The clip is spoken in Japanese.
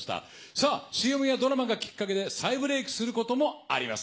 さあ、ＣＭやドラマがきっかけで、再ブレークすることもあります。